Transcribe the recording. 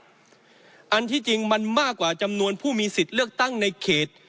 อันที่จริงมันมากกว่าจำนวนผู้มีสิทธิ์เลือกตั้งในเขต